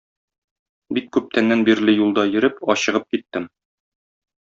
Бик күптәннән бирле юлда йөреп, ачыгып киттем.